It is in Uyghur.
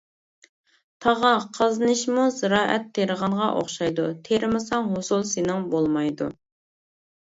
تاغا، قازىنىشمۇ زىرائەت تېرىغانغا ئوخشايدۇ، تېرىمىساڭ ھوسۇل سېنىڭ بولمايدۇ.